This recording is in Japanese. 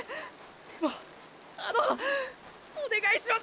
でもっあのっお願いします